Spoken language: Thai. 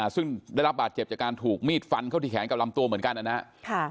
ซึ่งได้รับบาดเจ็บจากการถูกมีดฟันเข้าที่แขนกับลำตัวเหมือนกันนะครับ